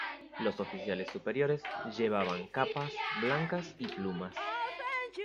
Los oficiales superiores llevaban capas blancas y plumas.